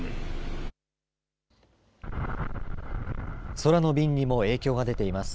空の便にも影響が出ています。